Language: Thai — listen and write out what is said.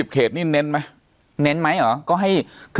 ๒๐เขตนี้เน้นไหม